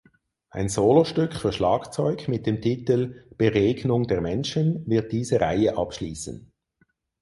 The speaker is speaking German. Ein Solostück für Schlagzeug mit dem Titel „Beregnung der Menschen“ wird diese Reihe abschließen.